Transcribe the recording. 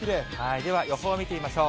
では、予報を見てみましょう。